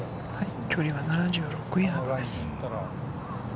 距離は７６ヤードです。